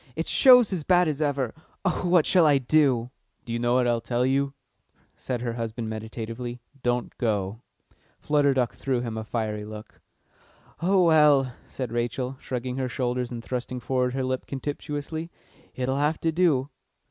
"It shows as bad as ever. Oh, what shall I do?" "Do you know what I'll tell you?" said her husband meditatively: "Don't go!" Flutter Duck threw him a fiery look. "Oh well," said Rachel, shrugging her shoulders and thrusting forward her lip contemptuously, "it'll have to do."